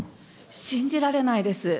信じられないです。